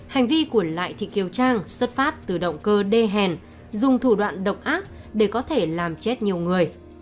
hành vi của lại thị kiều trang xuất phát từ động cơ đê hèn dùng thủ đoạn độc ác để có thể làm chết nhiều người